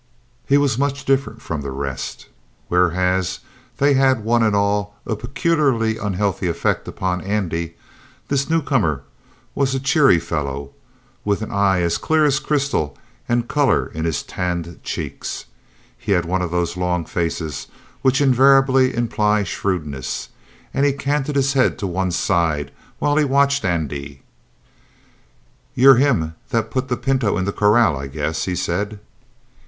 He was much different from the rest. Whereas, they had one and all a peculiarly unhealthy effect upon Andy, this newcomer was a cheery fellow, with an eye as clear as crystal, and color in his tanned cheeks. He had one of those long faces which invariably imply shrewdness, and he canted his head to one side while he watched Andy. "You're him that put the pinto in the corral, I guess?" he said.